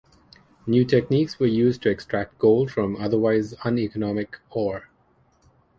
New techniques were used to extract gold from otherwise uneconomic ore.